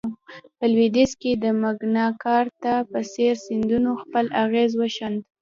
په لوېدیځ کې د مګناکارتا په څېر سندونو خپل اغېز وښند.